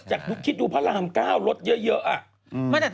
อยากคิดดูพระรามก้าวรถเยอะ